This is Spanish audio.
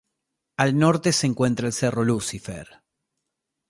Al norte se encuentra el cerro Lucifer.